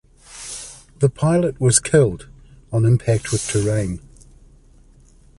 The pilot was killed on impact with terrain.